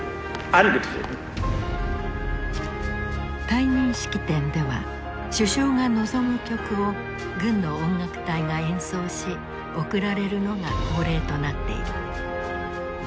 退任式典では首相が望む曲を軍の音楽隊が演奏し送られるのが恒例となっている。